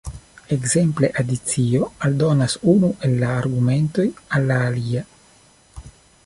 Ekzemple adicio aldonas unu el la argumentoj al la alia.